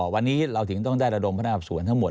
วันนี้เราถึงต้องได้ระดมพนักสวนทั้งหมด